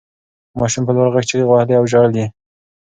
ماشوم په لوړ غږ چیغې وهلې او ژړل یې.